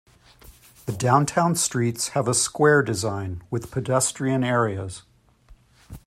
The downtown streets have a square design, with pedestrian areas.